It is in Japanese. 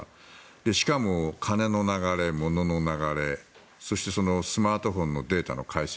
しかも、金の流れ、物の流れそして、スマートフォンのデータの解析